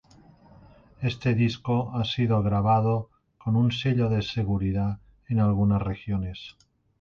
Este disco ha sido grabado con un sello de seguridad en algunas regiones.